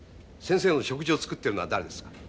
先生の食事を作ってるのは誰ですか？